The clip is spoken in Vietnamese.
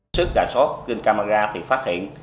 trước gà sót trên camera thì phát hiện